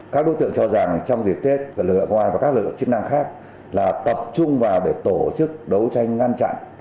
các đối tượng cho rằng trong dịp tết lực lượng công an và các lực lượng chức năng khác là tập trung vào để tổ chức đấu tranh ngăn chặn